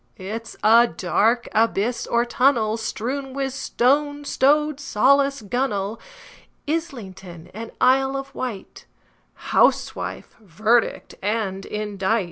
It's a dark abyss or tunnel, Strewn with stones, like rowlock, gunwale, Islington and Isle of Wight, Housewife, verdict and indict!